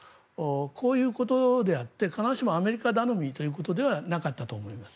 こういうことであって必ずしもアメリカ頼みということではなかったと思います。